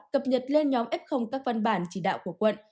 cập nhật lên nhóm f các văn bản chỉ đạo của quận